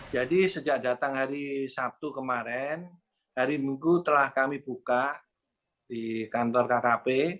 jadi sejak datang hari sabtu kemarin hari minggu telah kami buka di kantor kkp